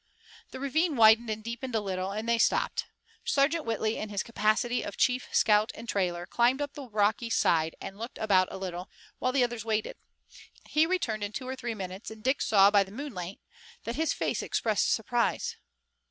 The ravine widened and deepened a little, and they stopped. Sergeant Whitley in his capacity of chief scout and trailer climbed up the rocky side and looked about a little, while the others waited. He returned in two or three minutes, and Dick saw, by the moonlight, that his face expressed surprise.